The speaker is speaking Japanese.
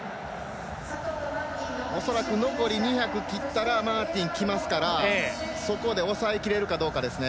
恐らく残り２００切ったらマーティンきますからそこで抑えきれるかどうかですね。